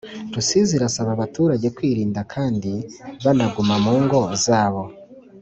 Rusizi irasaba abaturage kwirinda kandi banaguma mungo zabo